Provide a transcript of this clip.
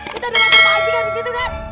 kita udah mati sama aja kan di situ kan